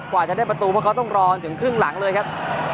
กว่าจะได้ประตูพวกเขาต้องรอถึงครึ่งหลังเลยครับ